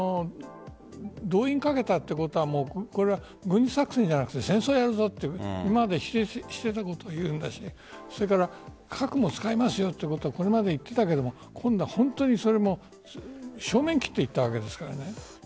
動員をかけたということは軍事作戦じゃなく戦争をやるぞと今までしていたことを言うんだし核も使いますよということをこれまで言ってたけど今度は正面を切って言ったわけですからね。